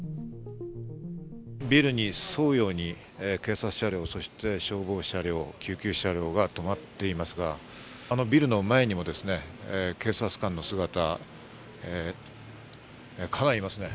ビルに沿うように警察車両、そして消防車両、救急車両が止まっていますが、あのビルの前にも警察官の姿、かなりいますね。